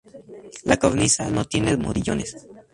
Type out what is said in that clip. La cornisa no tiene modillones.